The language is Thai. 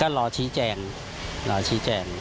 ก็รอคณะกรรมการสอบก็รอชี้แจง